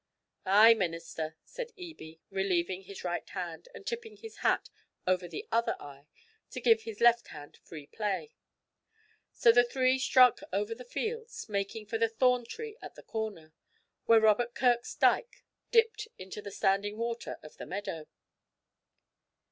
"' 'Ay, minister,' said Ebie, relieving his right hand, and tipping his hat over the other eye to give his left free play. So the three struck over the fields, making for the thorn tree at the corner, where Robert Kirk's dyke dipped into the standing water of the meadow.